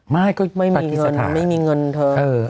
ไม่ก็ปรากฏิสถานไม่มีเงินเธอ